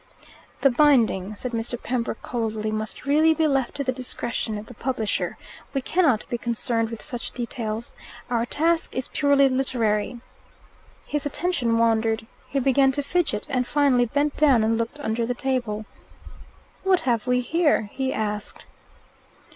"The binding," said Mr. Pembroke coldly, "must really be left to the discretion of the publisher. We cannot be concerned with such details. Our task is purely literary." His attention wandered. He began to fidget, and finally bent down and looked under the table. "What have we here?" he asked.